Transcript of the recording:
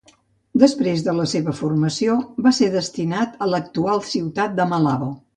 Després de la seva formació, va ser destinat a l'actual ciutat de Malabo.